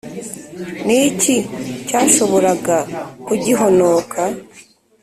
Ni iki cyashoboraga kugihonoka?